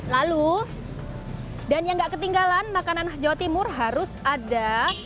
lalu dan yang gak ketinggalan makanan jawa timur harus ada